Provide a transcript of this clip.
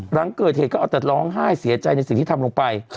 หลังเกิดเหตุก็เอาแต่ร้องไห้เสียใจในสิ่งที่ทำลงไป